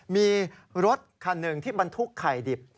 มีรถคันหนึ่งที่บรรทุกไข่ดิบ